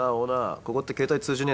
ここって携帯通じねぇの？